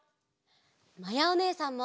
まやおねえさんも。